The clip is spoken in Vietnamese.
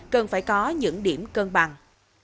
cần phải có những điểm cân bằng